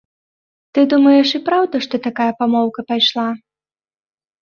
Ты думаеш і праўда, што такая памоўка пайшла?